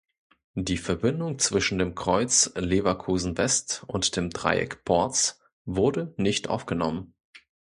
Die Verbindung zwischen dem Kreuz Leverkusen-West und dem Dreieck Porz wurde nicht aufgenommen.